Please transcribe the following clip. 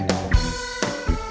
gak ada yang pake